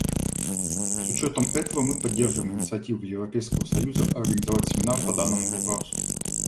С учетом этого мы поддерживаем инициативу Европейского союза организовать семинар по данному вопросу.